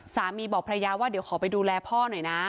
สามีบอกภรรยาว่าเดี๋ยวขอไปดูแลพ่อหน่อยนะ